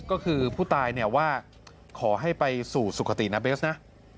ก็คือผู้ตายเนี่ยว่าขอให้ไปสู่สุขตินะเบสนะ